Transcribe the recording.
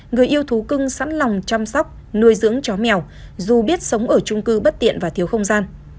người yêu thú cưng sẵn lòng chăm sóc nuôi dưỡng chó mèo dù biết sống ở trung cư bất tiện và thiếu không gian